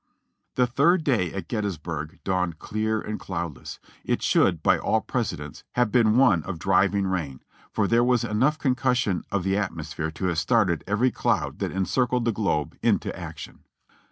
The third day at Gettysburg dawned clear and cloudless; it should, by all precedents, have been one of driving rain ; for there was enough concussion of the atmosphere to have started every cloud that encircled the globe, into action.